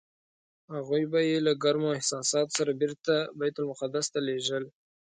هغوی به یې له ګرمو احساساتو سره بېرته بیت المقدس ته لېږل.